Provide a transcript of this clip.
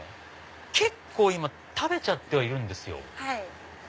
結構今食べてはいるんですよ。